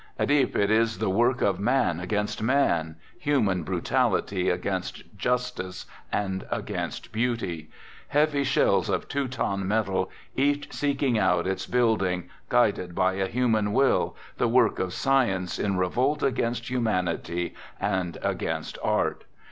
At Ypres, it is the work of man against man, » human brutality against justice and against beauty; heavy shells of Teuton metal, each seeking out its building, guided by a human will, the work of sci ence in revolt against humanity and against art.